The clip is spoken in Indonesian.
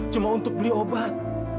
cuma untuk beli obat